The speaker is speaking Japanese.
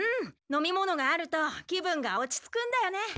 飲み物があると気分が落ち着くんだよね。